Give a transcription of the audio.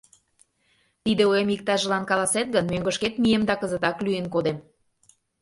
Тиде оем иктажылан каласет гын, мӧҥгышкет мием да кызытак лӱен кодем.